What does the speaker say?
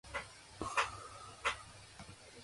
He retired with the ministry in the following December.